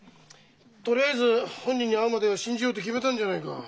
とりあえず本人に会うまでは信じようって決めたんじゃないか。